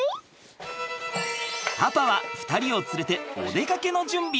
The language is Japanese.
パパは２人を連れてお出かけの準備。